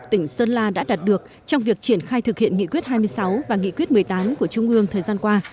tỉnh sơn la đã đạt được trong việc triển khai thực hiện nghị quyết hai mươi sáu và nghị quyết một mươi tám của trung ương thời gian qua